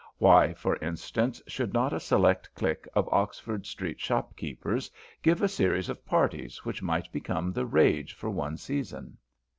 Why, for instance, should not a select clique of Oxford Street shopkeepers give a series of parties which might become the rage for one season?